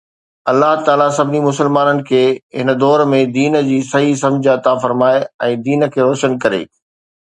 الله تعاليٰ سڀني مسلمانن کي هن دور ۾ دين جي صحيح سمجھ عطا فرمائي ۽ دين کي روشن ڪري